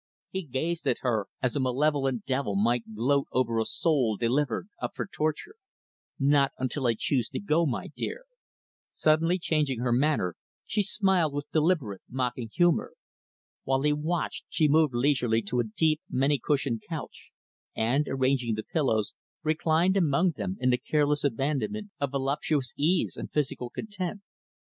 He gazed at her, as a malevolent devil might gloat over a soul delivered up for torture. "Not until I choose to go, my dear." [Illustration: "Well, what do you want? What are you doing here?"] Suddenly changing her manner, she smiled with deliberate, mocking humor. While he watched, she moved leisurely to a deep, many cushioned couch; and, arranging the pillows, reclined among them in the careless abandonment of voluptuous ease and physical content.